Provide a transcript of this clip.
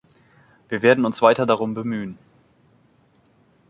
Wir werden uns weiter darum bemühen.